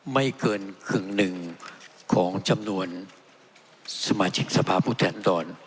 ไม่เกินครึ่งหนึ่งของจำนวนสมาชิกสภาพผู้แทนร